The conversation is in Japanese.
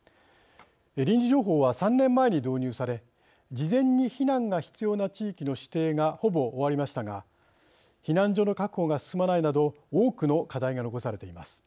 臨時情報は３年前に導入され事前に避難が必要な地域の指定がほぼ終わりましたが避難所の確保が進まないなど多くの課題が残されています。